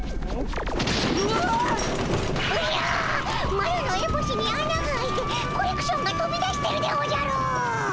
マロのエボシにあなが開いてコレクションがとび出してるでおじゃる！